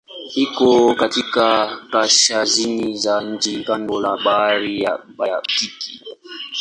Iko katika kaskazini ya nchi kando la Bahari ya Baltiki.